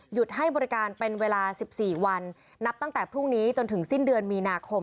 ให้บริการเป็นเวลา๑๔วันนับตั้งแต่พรุ่งนี้จนถึงสิ้นเดือนมีนาคม